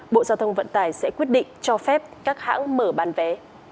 bộ giao thông vận tải sẽ quyết định cho phép các hãng mở bán vé